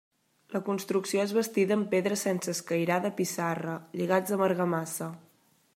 La construcció és bastida amb pedra sense escairar de pissarra, lligats amb argamassa.